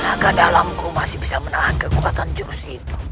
raga dalamku masih bisa menahan kekuatan jungsi itu